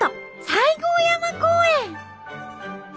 西郷山公園。